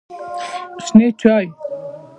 شنې چای